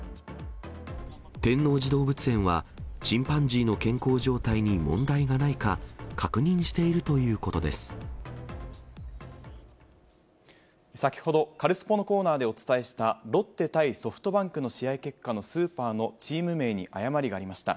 天王寺動物園は、チンパンジーの健康状態に問題がないか、先ほど、カルスポっ！のコーナーでお伝えしたロッテ対ソフトバンクの試合結果のスーパーのチーム名に誤りがありました。